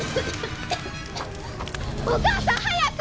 お母さん早く！